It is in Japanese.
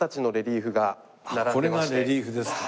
これがレリーフですか。